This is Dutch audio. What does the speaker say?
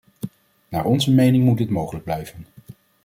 Naar onze mening moet dit mogelijk blijven.